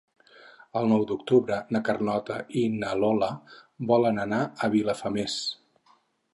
El nou d'octubre na Carlota i na Lola volen anar a Vilafamés.